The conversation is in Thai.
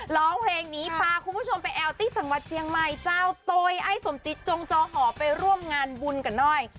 ร้องเพลงนี้พาคุณผู้ชมไปแอลที่จังหวัดเจียงใหม่เจ้าโตยไอ้สมจิตจงจอหอไปร่วมงานบุญกันหน่อย